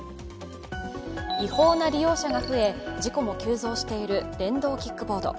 違法な利用者が増え、事故も急増している電動キックボード。